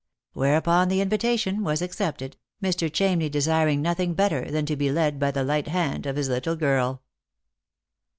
Whereupon the invitation was accepted, Mr. Chamney desir ing nothing better than to be led by the light hand of his little girl.